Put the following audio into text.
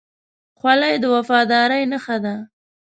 خولۍ د وفادارۍ نښه ده.